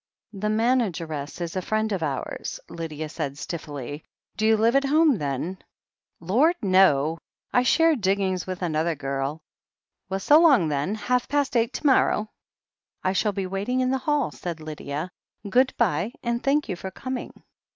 "The manageress is a friend of ours," Lydia said stiffly. "Do you live at home, then?" "Lord, no. I share diggings with another girl. Well, so long then. Half past eight to morrow." "I shall be waiting in the hall," said Lydia. "Good bye, and thank you for coming."